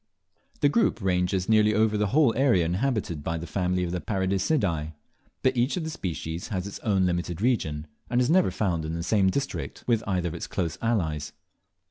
The group ranges nearly over the whole area inhabited by the family of the Paradiseidae, but each of the species has its own limited region, and is never found in the same district with either of its close allies.